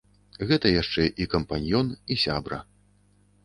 Гэта яшчэ і кампаньён, і сябра.